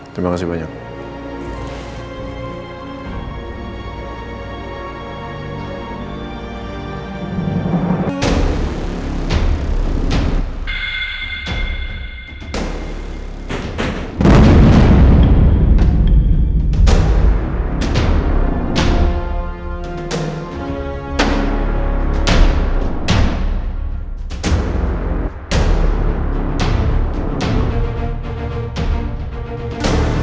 terima kasih banyak